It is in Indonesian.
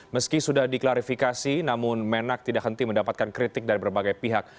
meski sudah diklarifikasi namun menak tidak henti mendapatkan kritik dari berbagai pihak